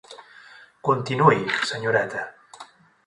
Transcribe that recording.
Continuï, senyoreta.